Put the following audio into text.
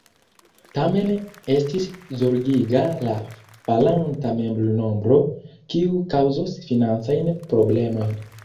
Tamen estis zorgiga la falanta membronombro, kiu kaŭzos financajn problemojn.